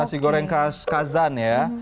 oh nasi goreng kazan ya